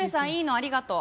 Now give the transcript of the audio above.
ありがとう。